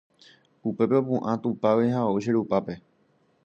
Upépe opu'ã tupágui ha ou che rupápe